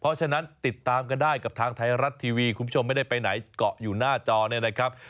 เพราะฉะนั้นติดตามกันได้กับทางไทยรัฐทีวีคุณผู้ชมไม่ได้ไปไหนเกาะอยู่หน้าจอเนี่ยนะครับ